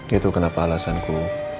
itu kenapa alasanku